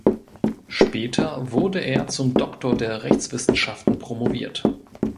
Später wurde er zum Doktor der Rechtswissenschaften promoviert.